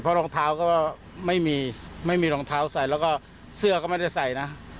รองเท้าก็ไม่มีไม่มีรองเท้าใส่แล้วก็เสื้อก็ไม่ได้ใส่นะ